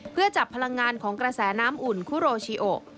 เพื่อจับพลังงานของกระแสน้ำอุ่นคุโรชิโอ